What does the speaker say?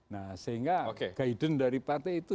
nah sehingga guidance dari partai itu